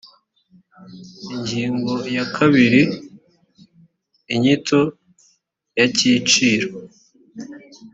ingingo ya kabiri inyito y akiciro